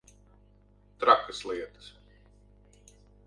Trakas lietas.